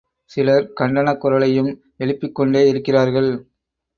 சிலர் கண்டனக் குரலையும் எழும்பிக்கொண்டே இருக்கிறார்கள்.